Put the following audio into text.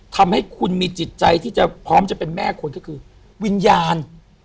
ทำให้คุณมีจิตใจที่จะพร้อมจะเป็นแม่คนก็คือวิญญาณ